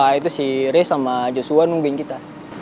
eh itu si res sama joshua nungguin kita